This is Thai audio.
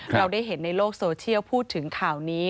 เราได้เห็นในโลกโซเชียลพูดถึงข่าวนี้